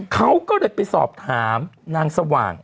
เขาก็เลยไปสอบถามนางสว่าง